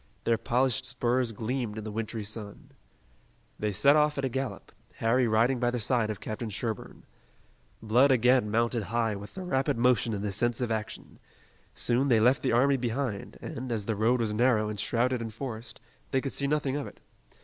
Their polished spurs gleamed in the wintry sun. They set off at a gallop, Harry riding by the side of Captain Sherburne. Blood again mounted high with the rapid motion and the sense of action. Soon they left the army behind, and, as the road was narrow and shrouded in forest, they could see nothing of it.